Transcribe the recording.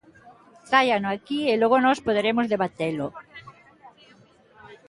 Tráiano aquí e logo nós poderemos debatelo.